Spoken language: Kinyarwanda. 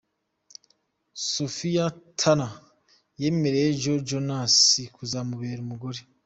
Sophie Turner yemereye Joe Jonas kuzamubera umugore.